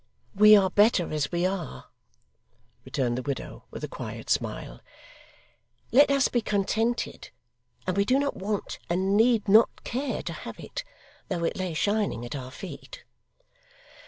'We are better as we are,' returned the widow with a quiet smile. 'Let us be contented, and we do not want and need not care to have it, though it lay shining at our feet.